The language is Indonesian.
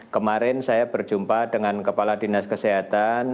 kemarin saya berjumpa dengan kepala dinas kesehatan